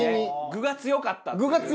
具が強かった。